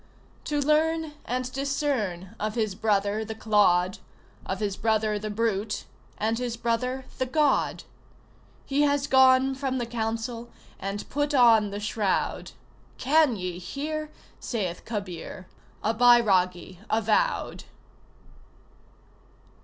To learn and discern of his brother the clod, Of his brother the brute, and his brother the God. He has gone from the council and put on the shroud ("Can ye hear?" saith Kabir), a bairagi avowed!